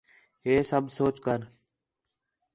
ہِے سب سوچ کر